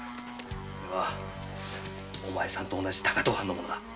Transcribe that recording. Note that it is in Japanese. おれはお前さんと同じ高遠藩の者だ。